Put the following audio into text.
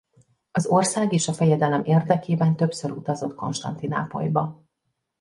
Az ország és a fejedelem érdekében többször utazott Konstantinápolyba.